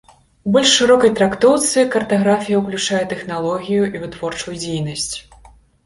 У больш шырокай трактоўцы картаграфія ўключае тэхналогію і вытворчую дзейнасць.